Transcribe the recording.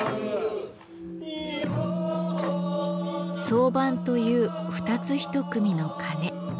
双盤という２つ１組の鉦。